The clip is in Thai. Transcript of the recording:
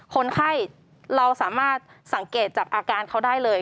คนไข้เราสามารถสังเกตจากอาการเขาได้เลย